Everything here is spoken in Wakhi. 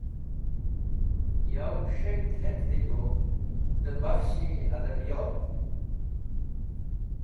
Yow s̃heg̃hd het̃ vitu dẽ bakhsh-e adibiyot.